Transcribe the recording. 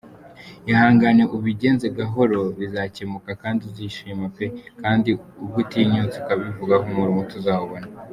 ihangane ubigenze gahoro bizakemuka kdi uzishima pe kdi ubwutinyutse ukabivuga humura umuti uzawubona .